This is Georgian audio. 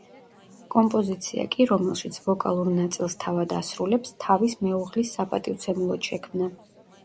კომპოზიცია კი რომელშიც ვოკალურ ნაწილს თავად ასრულებს, თავის მეუღლის საპატივცემულოდ შექმნა.